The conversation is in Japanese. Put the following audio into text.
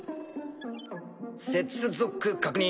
接続確認。